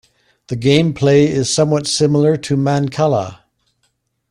The gameplay is somewhat similar to mancala.